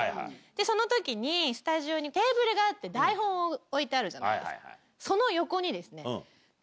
その時にスタジオにテーブルがあって台本置いてあるじゃないですか。